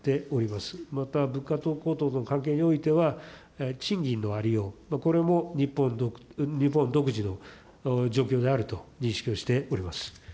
また、物価高騰との関係においては、賃金のありよう、これも日本独自の状況であると認識をしております。